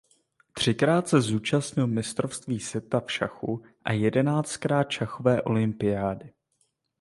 Třikrát se zúčastnil mistrovství světa v šachu a jedenáctkrát šachové olympiády.